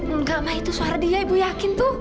eh nggak mai itu suara dia ibu yakin tuh